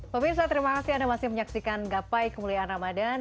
pemirsa terima kasih anda masih menyaksikan gapai kemuliaan ramadan